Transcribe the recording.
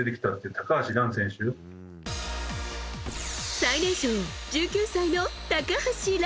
最年少１９歳の高橋藍。